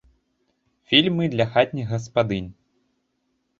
Фільмы для хатніх гаспадынь.